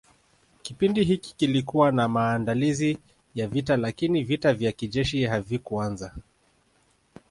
Kipindi hiki kilikuwa na maandalizi ya vita lakini vita vya kijeshi havikuanza